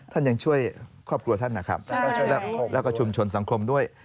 ท่านยังช่วยครอบครัวท่านนะครับแล้วก็ชุมชนสังคมด้วย